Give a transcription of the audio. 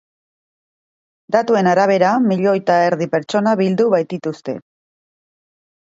Datuen arabera, milioi eta erdi pertsona bildu baitituzte.